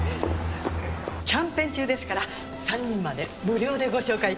キャンペーン中ですから３人まで無料でご紹介いたします。